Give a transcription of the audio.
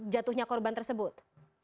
datuhnya korban tersebut